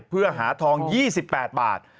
เพื่อหาทอง๒๘บาท